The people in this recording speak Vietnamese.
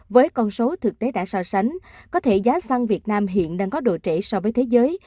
với con số thực tế đã so sánh có thể giá xăng việt nam hiện đang có độ trễ so với thế giới